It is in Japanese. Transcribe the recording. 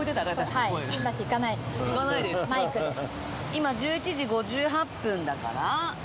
今１１時５８分だから。